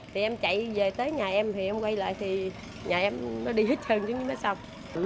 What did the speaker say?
thì em chạy về tới nhà em thì em quay lại thì nhà em nó đi hết trơn chứ mới xong